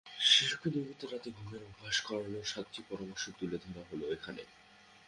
শিশুকে নিয়মিত রাতের ঘুমের অভ্যাস করানোর সাতটি পরামর্শ তুলে ধরা হলো এখানে।